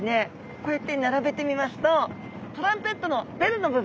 こうやって並べてみますとトランペットのベルの部分。